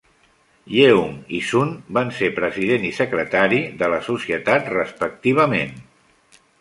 Yeung i Sun van ser president i secretari de la Societat respectivament.